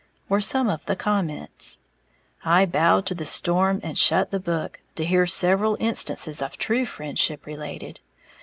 were some of the comments. I bowed to the storm and shut the book, to hear several instances of true friendship related.